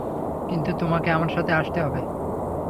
কিন্তু তোমাকে আমার সাথে আসতে হবে।